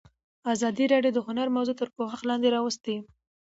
ازادي راډیو د هنر موضوع تر پوښښ لاندې راوستې.